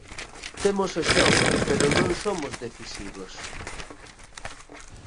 Temos o xogo pero non somos decisivos.